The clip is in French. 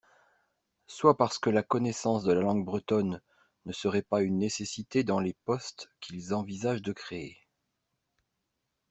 Soit parce que la connaissance de la langue bretonne ne serait pas une nécessité dans les postes qu’ils envisagent de créer.